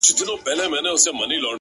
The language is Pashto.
زه به هم داسي وكړم،